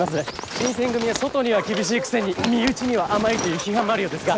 新選組は外には厳しいくせに身内には甘いという批判もあるようですが。